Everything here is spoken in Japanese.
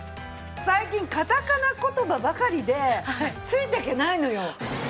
最近カタカナ言葉ばかりでついていけないのよ。